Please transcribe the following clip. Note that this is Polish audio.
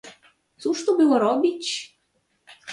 "Cóż tu było robić?"